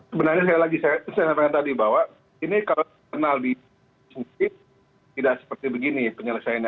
sebenarnya saya mengatakan tadi bahwa ini kalau terkenal di komisi sembilan tidak seperti begini penyelesaiannya